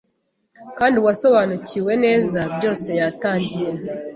Kandi uwasobanukiwe neza byose yatangiye